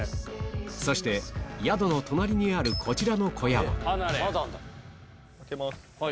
そして宿の隣にあるこちらの小屋は開けます。